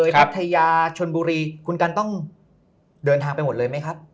พัทยาชนบุรีคุณกันต้องเดินทางไปหมดเลยไหมครับ